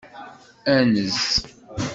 Anez!